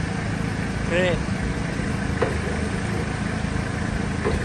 Más adelante, se lanza a recorrer todo el territorio que le ha sido confiado.